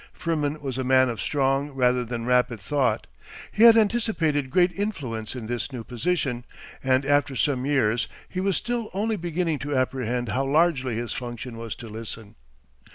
Firmin was a man of strong rather than rapid thought, he had anticipated great influence in this new position, and after some years he was still only beginning to apprehend how largely his function was to listen.